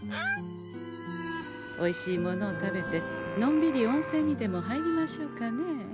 おいしいものを食べてのんびり温泉にでも入りましょうかねえ。